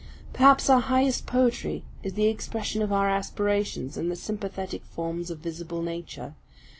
Perhaps our highest poetry is the expression of our aspirations in the sympathetic forms of visible nature.